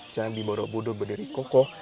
candi borobudur bederi kokoh